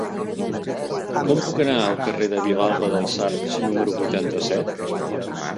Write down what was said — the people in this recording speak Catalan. Com puc anar al carrer de Vilalba dels Arcs número vuitanta-set?